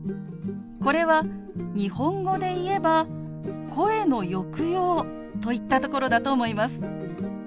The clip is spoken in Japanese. これは日本語でいえば声の抑揚といったところだと思います。